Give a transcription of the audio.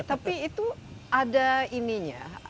tapi itu ada ininya